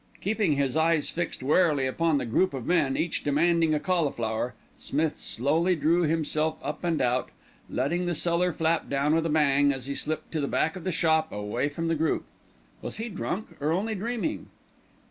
Keeping his eyes fixed warily upon the group of men, each demanding a cauliflower, Smith slowly drew himself up and out, letting the cellar flap down with a bang as he slipped to the back of the shop away from the group. Was he drunk, or only dreaming?